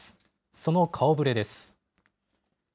その顔ぶれです。